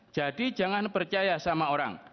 jadi jangan percaya sama orang